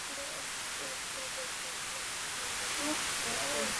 Tyto prostředky půjdou přímo postiženým pracovníkům.